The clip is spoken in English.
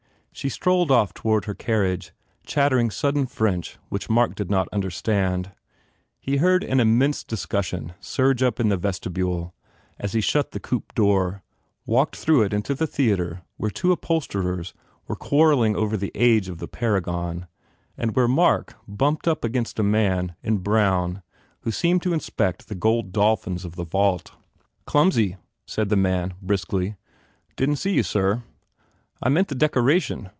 She strolled off toward her carriage, chattering sudden French which Mark did not understand. He heard an immense discussion surge up in the vestibule as he shut the S3 THE FAIR REWARDS coupe door, walked through it into the theatre where two upholsterers were quarrelling over the age of the paragon and where Mark bumped against a man in brown who seemed to inspect the gold dolphins of the vault. "Clumsy," said the man, briskly. "Didn t see you, sir." "I meant the decoration."